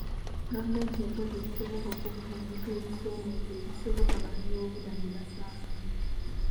Gavumenti ekoze ekisoboka okuvvuunuka ebisoomooza ebisoboka abanoonyiboobubudamu bye basanga.